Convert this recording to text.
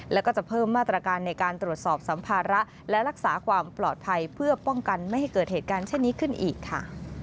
แล้วก็จะเพิ่มมาตรการในการตรวจสอบสัมภาระและรักษาความปลอดภัยเพื่อป้องกันไม่ให้เกิดเหตุการณ์เช่นนี้ขึ้นอีกค่ะ